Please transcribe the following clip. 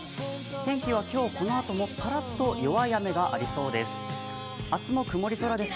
天気は今日このあともパラッと弱い雨がありそうです。